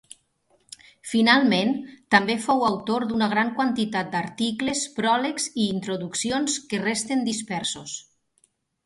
Finalment, també fou autor d'una gran quantitat d'articles, pròlegs i introduccions que resten dispersos.